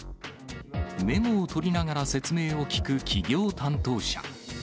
メモをとりながら説明を聞く企業担当者。